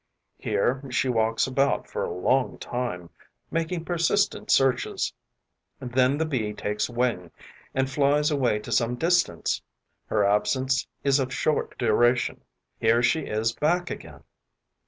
Here she walks about for a long time, making persistent searches; then the Bee takes wing and flies away to some distance. Her absence is of short duration. Here she is back again.